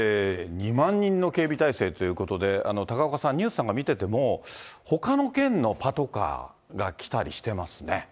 ２万人の警備体制ということで、高岡さん、ニュースなんか見てても、ほかの県のパトカーが来たりしてますね。